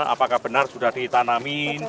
apakah benar sudah ditanami